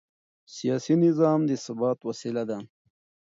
سیاسي نظام د ثبات وسیله ده